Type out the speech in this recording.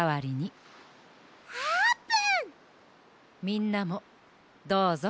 みんなもどうぞ。